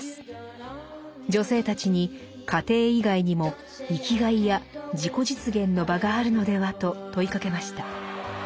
女性たちに家庭以外にも生きがいや自己実現の場があるのではと問いかけました。